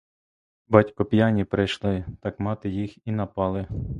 Батько п'яні прийшли, так мати їх і напали.